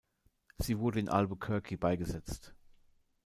Sie wurde in Albuquerque beigesetzt.